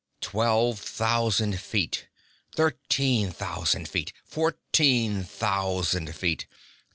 Twelve thousand feet. Thirteen thousand feet. Fourteen thousand feet.